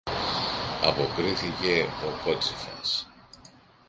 αποκρίθηκε ο κότσυφας.